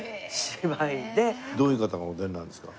どういう方がお出になるんですか？